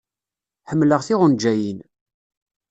Ḥemmleɣ tiɣenjayin.